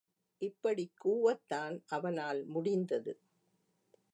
இப்படிக் கூவத்தான் அவனால் முடிந்தது!...